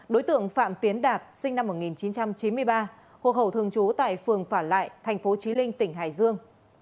đối tượng phạm tiến đạt sinh năm một nghìn chín trăm chín mươi ba hộ khẩu thường trú tại phường phả lại thành phố trí linh tỉnh hải dương